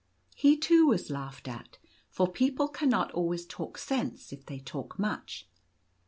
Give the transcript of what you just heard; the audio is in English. He too was laughed at, for people can not always talk sense if they talk much.